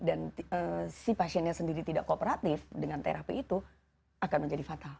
dan si pasiennya sendiri tidak kooperatif dengan terapi itu akan menjadi fatal